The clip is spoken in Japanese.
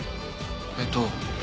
えっと